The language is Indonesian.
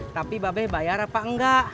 tapi babe bayar apa enggak